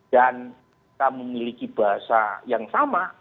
dan kita memiliki bahasa yang sama